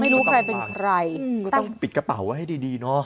ไม่รู้ใครเป็นใครก็ต้องปิดกระเป๋าไว้ให้ดีดีเนอะ